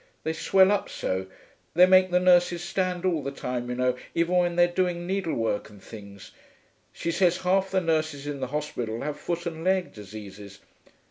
They swell up so; they make the nurses stand all the time, you know, even when they're doing needlework and things. She says half the nurses in the hospital have foot and leg diseases.